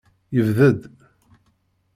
Yebded.